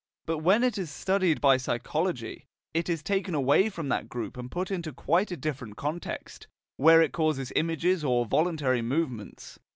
But when it is studied by psychology, it is taken away from that group and put into quite a different context, where it causes images or voluntary movements.